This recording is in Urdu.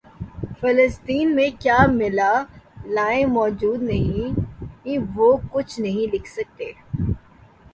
فلسطین میں کیا ملالائیں موجود نہیں کیا وہ کچھ نہیں لکھ سکتیں